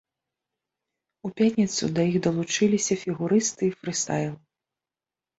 У пятніцу да іх далучыліся фігурысты і фрыстайл.